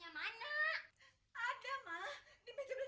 ada koma beneran